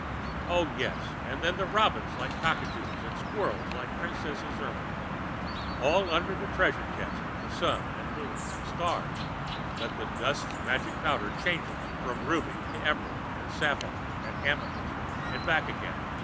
Oh, yes, and then the robins like cockatoos and squirrels like a princess's ermine! All under a treasure chest of Sun and Moon and stars that the dust's magic powder changes from ruby to emerald and sapphire and amethyst and back again.